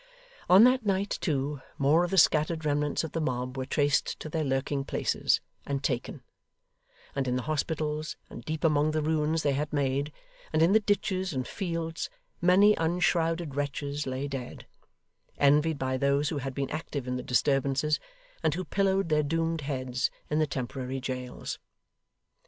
On that night, too, more of the scattered remnants of the mob were traced to their lurking places, and taken; and in the hospitals, and deep among the ruins they had made, and in the ditches, and fields, many unshrouded wretches lay dead: envied by those who had been active in the disturbances, and who pillowed their doomed heads in the temporary jails.